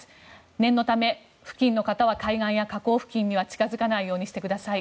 念のため付近の方は海岸や河口付近には近付かないようにしてください。